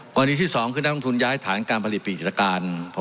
กรณีที่๒คือนักลงทุนย้ายฐานการผลิตปีกิจการ